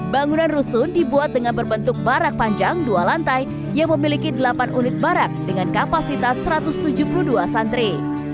bangunan rusun dibuat dengan berbentuk barak panjang dua lantai yang memiliki delapan unit barak dengan kapasitas satu ratus tujuh puluh dua santri